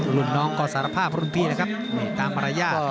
หลุ่นน้องก็สารภาพรุ่นพี่นะครับ